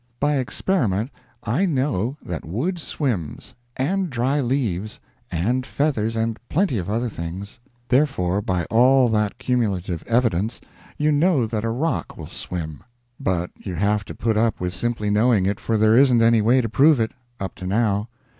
By experiment I know that wood swims, and dry leaves, and feathers, and plenty of other things; therefore by all that cumulative evidence you know that a rock will swim; but you have to put up with simply knowing it, for there isn't any way to prove it up to now.